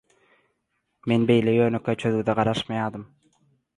Men beýle ýönekeý çözgüde garaşmaýardym